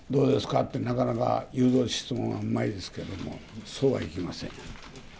って、なかなか誘導質問はうまいですけども、そうはいきません。